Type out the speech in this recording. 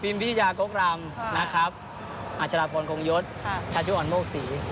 ฟิลิปปิทิจาโก๊ครามนะครับอาจารย์พรคงยศชาชุออนมกศิ